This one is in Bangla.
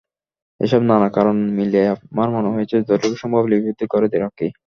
এসব নানা কারণ মিলে আমার মনে হয়েছে, যতটুকু সম্ভব, লিপিবদ্ধ করে রাখি।